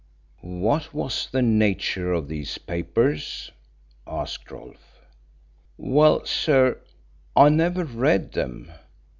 "What was the nature of these papers?" asked Rolfe. "Well, sir, I never read them.